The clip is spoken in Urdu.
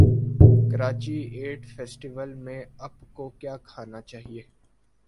کراچی ایٹ فیسٹیول میں اپ کو کیا کھانا چاہیے